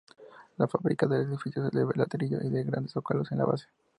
La fábrica del edificio es de ladrillo y grandes zócalos en la base.